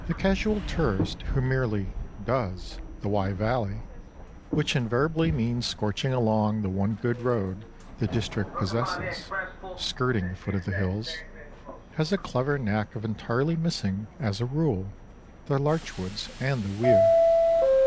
The casual tourist who merely "does" the Wye Valley—which invariably means scorching along the one good road the district possesses, skirting the foot of the hills—has a clever knack of entirely missing, as a rule, the larch woods and the weir.